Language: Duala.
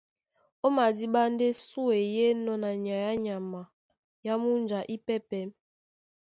Ó madíɓá ndé súe í enɔ́ na nyay á nyama a múnja ípɛ́pɛ̄.